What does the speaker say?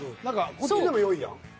こっちでもよいやん。